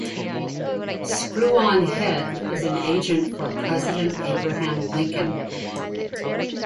Screw-On Head is an agent for President Abraham Lincoln.